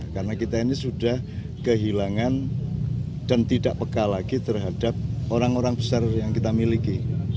karena kita ini sudah kehilangan dan tidak peka lagi terhadap orang orang besar yang kita miliki